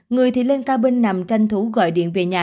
người thì lên ca bên nằm tranh thủ gọi điện về nhà